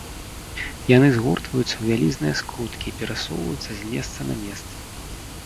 Яны згортваюцца ў вялізныя скруткі і перасоўваюцца з месца на месца.